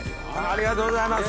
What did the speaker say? ありがとうございます！